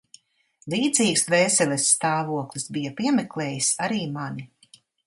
Līdzīgs dvēseles stāvoklis bija piemeklējis arī mani.